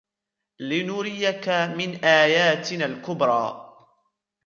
لِنُرِيَكَ مِنْ آيَاتِنَا الْكُبْرَى